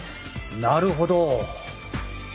なるほど。